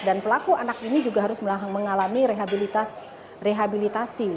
dan pelaku anak ini juga harus mengalami rehabilitasi